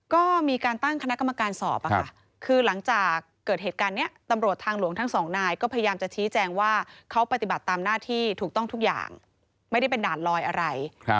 ก็มีการตั้งคณะกรรมการสอบคือหลังจากเกิดเหตุการณ์นี้ตำรวจทางหลวงทั้งสองนายก็พยายามจะชี้แจงว่าเขาปฏิบัติตามหน้าที่ถูกต้องทุกอย่างไม่ได้เป็นด่านลอยอะไร